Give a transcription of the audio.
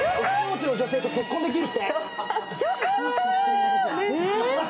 金持ちの女性と結婚できるって。